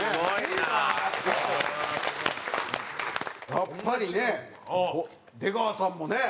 やっぱりね出川さんもね。